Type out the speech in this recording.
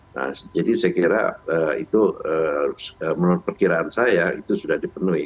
nah jadi saya kira itu menurut perkiraan saya itu sudah dipenuhi